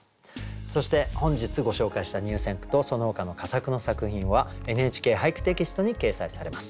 そして本日ご紹介した入選句とそのほかの佳作の作品は「ＮＨＫ俳句」テキストに掲載されます。